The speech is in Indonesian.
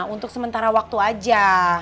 untuk sementara waktu aja